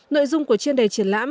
nội dung của triển đề triển lãm